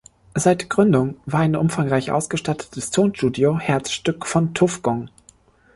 Seit Gründung war ein umfangreich ausgestattetes Tonstudio Herzstück von Tuff Gong.